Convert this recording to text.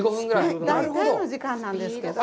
大体の時間なんですけど。